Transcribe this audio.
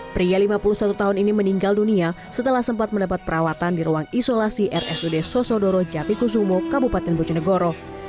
pria lima puluh satu tahun ini meninggal dunia setelah sempat mendapat perawatan di ruang isolasi rsud sosodoro japikusumo kabupaten bojonegoro